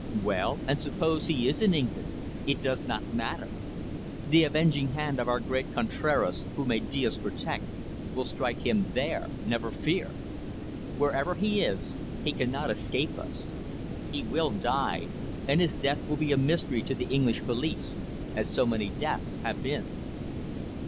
"Well, and suppose he is in England, it does not matter. The avenging hand of our great Contraras who may Dios protect will strike him there, never fear. Wherever he is, he cannot escape us. He will die, and his death will be a mystery to the English police as so many deaths have been."